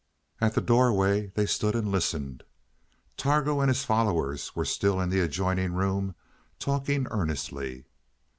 At the doorway they stood and listened; Targo and his followers were still in the adjoining room, talking earnestly.